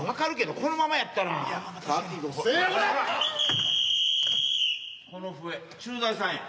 この笛駐在さんや。